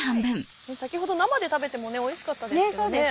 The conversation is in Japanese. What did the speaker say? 先ほど生で食べてもおいしかったですからね。